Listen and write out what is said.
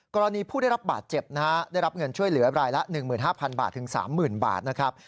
กรณีผู้ได้รับบาดเจ็บนะฮะได้รับเงินช่วยเหลือรายละ๑๕๐๐บาทถึง๓๐๐๐บาทนะครับ